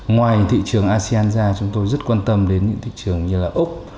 ngoài thị trường asean ra chúng tôi rất quan tâm đến những thị trường như là úc